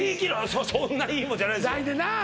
そんないいもんじゃないですよ